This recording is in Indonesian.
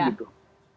yang urus psi